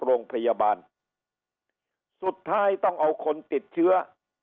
โรงพยาบาลสุดท้ายต้องเอาคนติดเชื้อ